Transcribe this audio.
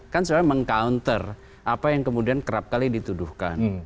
kan sebenarnya meng counter apa yang kemudian kerap kali dituduhkan